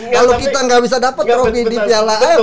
kalau kita nggak bisa dapat trofi di piala amm